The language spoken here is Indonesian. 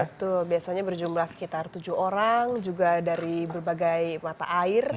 betul biasanya berjumlah sekitar tujuh orang juga dari berbagai mata air